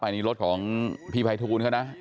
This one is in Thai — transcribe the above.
อันนี้รถของพี่ไฟทูนก็นะ